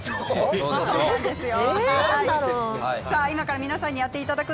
そうなんですよ。